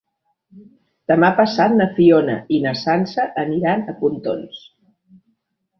Demà passat na Fiona i na Sança aniran a Pontons.